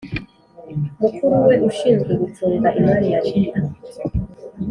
mukuru we ushinzwe gucunga imari ya Leta